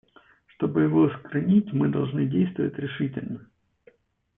Чтобы его искоренить, мы должны действовать решительно.